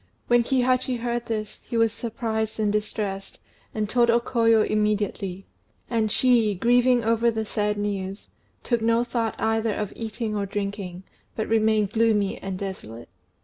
When Kihachi heard this he was surprised and distressed, and told O Koyo immediately; and she, grieving over the sad news, took no thought either of eating or drinking, but remained gloomy and desolate.